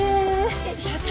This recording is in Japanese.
えっ社長！？